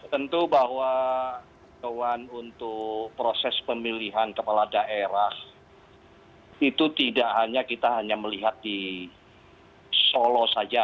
tentu bahwa untuk proses pemilihan kepala daerah itu tidak hanya kita hanya melihat di solo saja